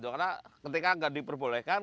karena ketika tidak diperbolehkan